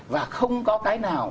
và không có cái nào